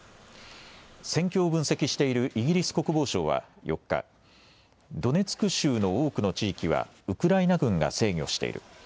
戦況を分析しているイギリス国防省は４日、ドネツク州の多くの地域はウクライナ軍が制御している。